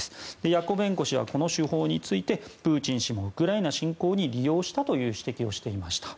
ヤコベンコ氏はこの手法についてプーチン氏もウクライナ侵攻に利用したという指摘をしていました。